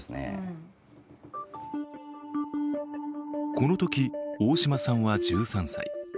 このとき大島さんは１３歳。